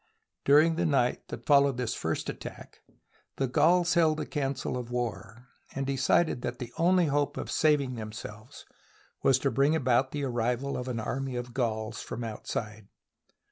During the night that followed this first attack, the Gauls held a council of war, and decided that the only hope of saving themselves was to bring about the arrival of an army of Gauls from outside.